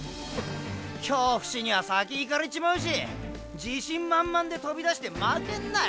京伏には先行かれちまうし自信満々でとびだして負けんなよ